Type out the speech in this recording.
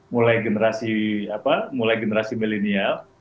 mulai generasi apa mulai generasi millennial